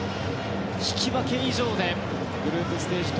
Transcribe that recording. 引き分け以上でグループステージ